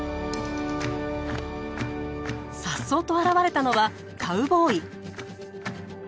颯爽と現れたのはカウボーイ。